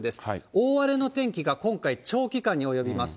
大荒れの天気が今回、長期間に及びます。